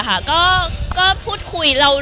มันคิดว่าจะเป็นรายการหรือไม่มี